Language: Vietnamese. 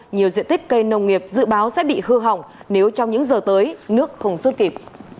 nhiều diện tích cây nông nghiệp dự báo sẽ bị hư hỏng nếu trong những giờ tới nước không suốt kịp